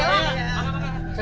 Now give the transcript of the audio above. pak boleh ya